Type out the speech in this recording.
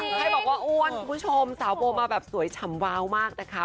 ใครบอกว่าอ้วนคุณผู้ชมสาวโบมาแบบสวยฉ่ำวาวมากนะคะ